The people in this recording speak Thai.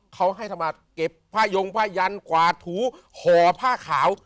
เขาให้ทำมาเก็บผ้ายงผ้ายันกวาดถูห่อผ้าขาว